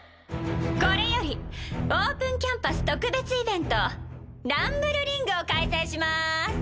これよりオープンキャンパス特別イベントランブルリングを開催します。